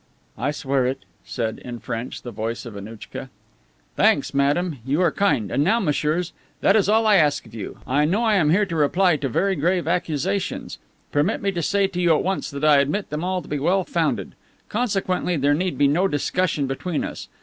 "I swear it," said, in French, the voice of Annouchka. "Thanks, madame, you are kind. And now, messieurs, that is all I ask of you. I know I am here to reply to very grave accusations. Permit me to say to you at once that I admit them all to be well founded. Consequently, there need be no discussion between us.